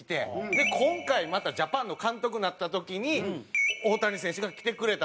で今回またジャパンの監督になった時に大谷選手が来てくれたっていう。